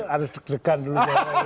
aduh deg degan dulu